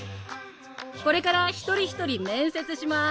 これから１人１人面接します。